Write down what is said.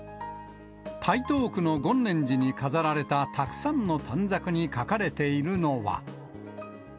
台東区の厳念寺に飾られたたくさんの短冊に書かれているのは。